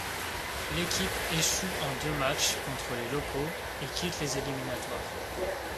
L'équipe échoue en deux matchs contre les locaux et quitte les éliminatoires.